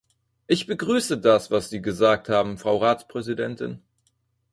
Ich begrüße das, was Sie gesagt haben, Frau Ratspräsidentin.